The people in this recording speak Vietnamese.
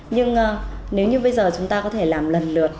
nhưng nếu như bây giờ chúng ta có thể làm lần lượt